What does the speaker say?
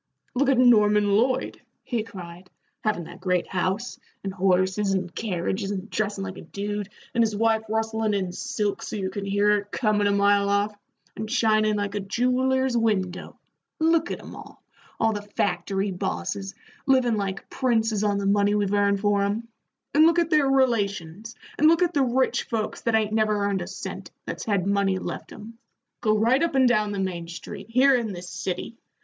"Look at Norman Lloyd," he cried, "havin' that great house, and horses and carriages, and dressin' like a dude, and his wife rustlin' in silks so you can hear her comin' a mile off, and shinin' like a jeweller's window look at 'em all all the factory bosses livin' like princes on the money we've earned for 'em; and look at their relations, and look at the rich folks that ain't never earned a cent, that's had money left 'em. Go right up and down the Main Street, here in this city.